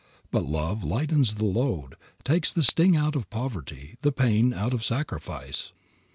But love lightens the load, takes the sting out of poverty, the pain out of sacrifice.